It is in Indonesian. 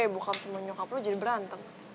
bokap sama nyokap lo jadi berantem